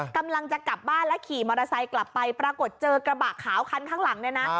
กำลังจะกลับบ้านแล้วขี่มอเตอร์ไซค์กลับไปปรากฏเจอกระบะขาวคันข้างหลังเนี่ยนะ